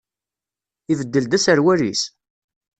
Ibeddel-d aserwal-is?